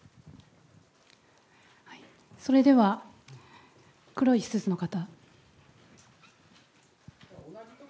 それでは、黒いスーツの方。